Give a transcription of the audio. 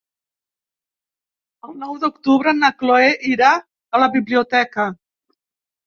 El nou d'octubre na Chloé irà a la biblioteca.